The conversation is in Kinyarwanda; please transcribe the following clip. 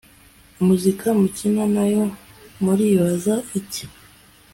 muzika mukina nayo muribaza iki